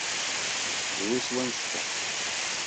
Drus wanect-a.